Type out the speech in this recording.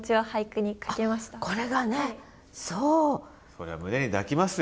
それは胸に抱きますよ。